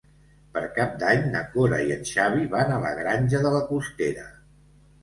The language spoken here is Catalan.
Per Cap d'Any na Cora i en Xavi van a la Granja de la Costera.